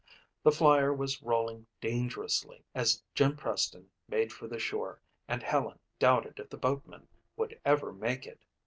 The Flyer was rolling dangerously as Jim Preston made for the shore and Helen doubted if the boatman would ever make it.